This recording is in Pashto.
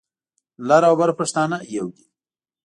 لر او بر پښتانه يو دي.